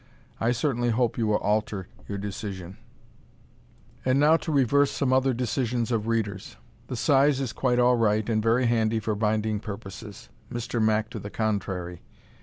I certainly hope you will alter your decision. And now to reverse some other decisions of readers. The size is quite all right and very handy for binding purposes, Mr. Mack to the contrary.